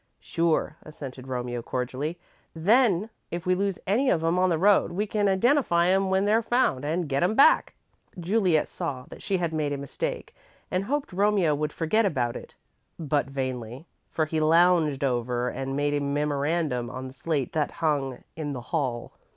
"Sure," assented Romeo, cordially. "Then, if we lose any of 'em on the road, we can identify 'em when they're found, and get 'em back." Juliet saw that she had made a mistake and hoped Romeo would forget about it, but vainly, for he lounged over and made a memorandum on the slate that hung in the hall.